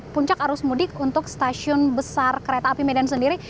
puncak arus mudik untuk stasiun besar kereta api medan sendiri